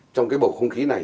trong cái bầu không khí này